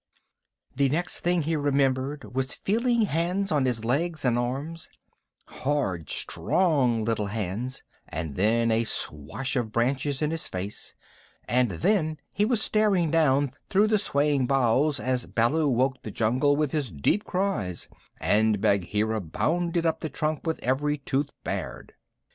The next thing he remembered was feeling hands on his legs and arms hard, strong, little hands and then a swash of branches in his face, and then he was staring down through the swaying boughs as Baloo woke the jungle with his deep cries and Bagheera bounded up the trunk with every tooth bared.